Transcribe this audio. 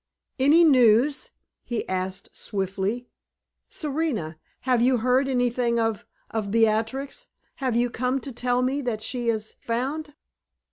"Any news?" he asked, swiftly. "Serena, have you heard anything of of Beatrix? Have you come to tell me that she is found?"